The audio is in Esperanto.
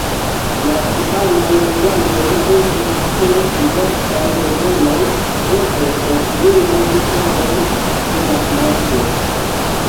La tiamaj loĝantoj estis de diversaj devenoj, ĉefe originaj de teroj de la nordo.